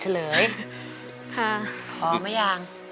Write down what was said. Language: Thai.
เชราควรไหมอย่าง